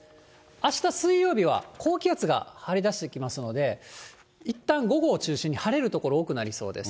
あした水曜日は高気圧が張り出してきますので、いったん午後を中心に、晴れる所、多くなりそうです。